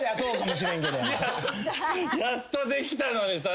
やっとできたのにさ